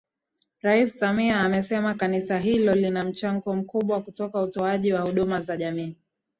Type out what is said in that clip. Rais Samia amesema kanisa hilo lina mchango mkubwa katika utoaji wa huduma za jamii